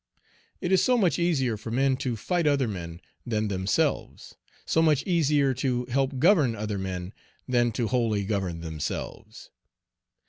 It is so much easier for men to fight other men than themselves. So much easier to help govern other men than to wholly govern themselves.